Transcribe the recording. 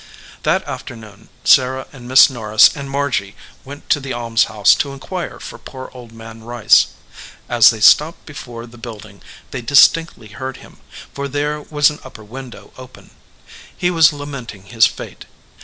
That afternoon Sarah and Miss Norris and Margy went to the almshouse to inquire for poor Old Man Rice. As they stopped before the build ing they distinctly heard him, for there was an upper window open. , He was lamenting his fate.